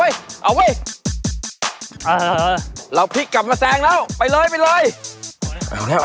เอาเว้ยเราพลิกกลับมาแสงแล้วไปเลย